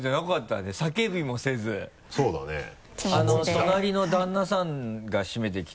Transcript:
隣の旦那さんが閉めてきた。